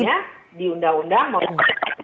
sebenarnya di undang undang